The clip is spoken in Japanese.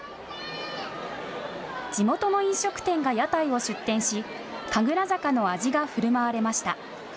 地元の飲食店が屋台を出店し神楽坂の味がふるまわれました。